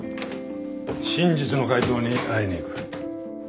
真実の怪盗に会いに行く。